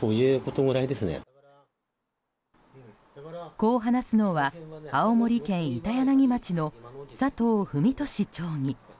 こう話すのは青森県板柳町の佐藤文俊町議。